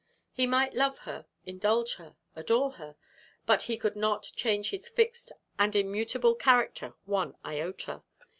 He might love her, indulge her, adore her, but he could not change his fixed and immutable character one iota.